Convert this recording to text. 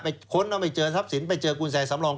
ไปค้นเอาไปเจอทัพสินไปเจอกุญแจสำลอง